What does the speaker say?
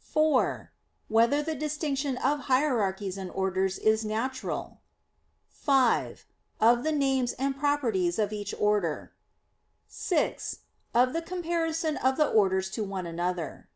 (4) Whether the distinction of hierarchies and orders is natural? (5) Of the names and properties of each order. (6) Of the comparison of the orders to one another.